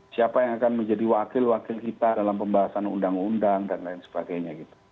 siapa yang akan menjadi wakil wakil kita dalam pembahasan undang undang dan lain sebagainya